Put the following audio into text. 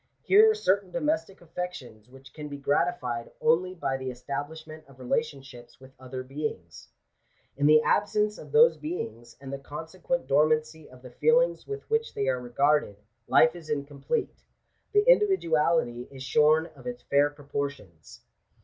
Here are certain domestic affections, which can be gratified only by the establishment of relationships with other beings. In the ab sence of those beings, and the consequent dormancy of the feelings with which they are regarded, life is incomplete — the individuality is shorn of its fair proportions.